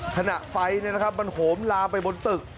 ขณะไฟมันโหมลามไปบนตึก